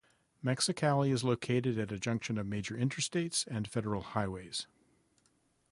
Mexicali is located at a Junction of major interstates and federal highways.